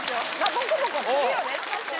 ボコボコするよね。